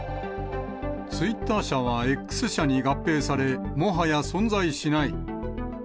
ツイッター社はＸ社に合併され、もはや存在しない。